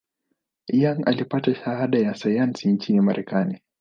Young alipata shahada ya sayansi nchini Marekani.